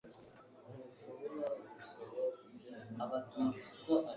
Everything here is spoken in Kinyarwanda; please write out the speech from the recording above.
Ntushobora gusaba kuryama umwana